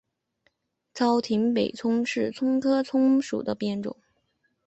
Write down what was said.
糙葶北葱是葱科葱属的变种。